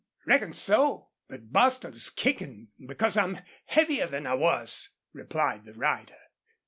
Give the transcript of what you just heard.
"Reckon so. But Bostil is kickin' because I'm heavier than I was," replied the rider.